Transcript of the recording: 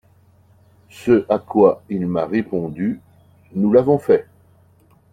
Ce à quoi il m’a répondu, nous l’avons fait.